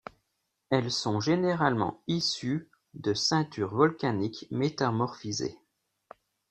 Elles sont généralement issues de ceintures volcaniques métamorphisées.